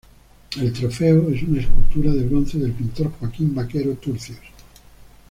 El trofeo es una escultura de bronce del pintor Joaquín Vaquero Turcios.